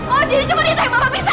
oh jadi cuma itu yang bapak bisa